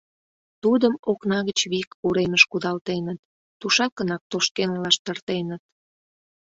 Тудым окна гыч вик уремыш кудалтеныт, тушакынак тошкен лаштыртеныт.